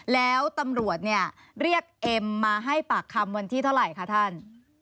แล้วตำรวจเนี่ยเรียกเอ็มมาให้ปากคำวันที่เท่าไหร่คะท่าน